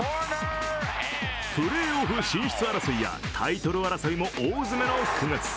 プレーオフ進出争いや、タイトル争いも大詰めの９月。